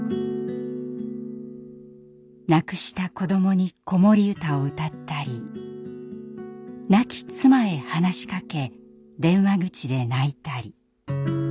亡くした子どもに子守歌を歌ったり亡き妻へ話しかけ電話口で泣いたり。